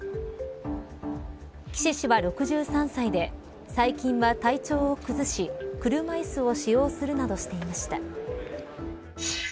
岸氏は、６３歳で最近は体調を崩し車いすを使用するなどしていました。